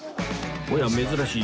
おや珍しい。